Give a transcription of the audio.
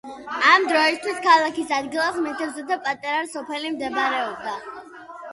ამ დროისთვის, ქალაქის ადგილას მეთევზეთა პატარა სოფელი მდებარეობდა.